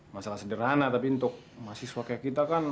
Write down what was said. masalah sederhana tapi untuk mahasiswa kayak kita kan